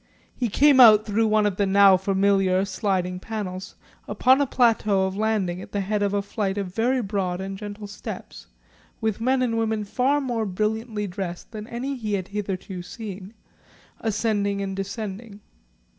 He came out through one of the now familiar sliding panels upon a plateau of landing at the head of a flight of very broad and gentle steps, with men and women far more brilliantly dressed than any he had hitherto seen, ascending and descending.